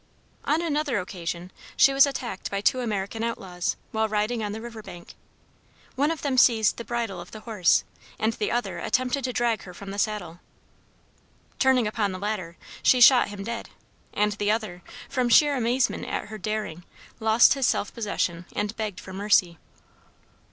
On another occasion she was attacked by two American outlaws, while riding on the river bank. One of them seized the bridle of the horse, and the other attempted to drag her from the saddle. Turning upon the latter, she shot him dead, and the other, from sheer amazement at her daring, lost his self possession and begged for mercy.